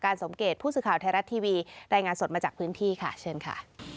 สมเกตผู้สื่อข่าวไทยรัฐทีวีรายงานสดมาจากพื้นที่ค่ะเชิญค่ะ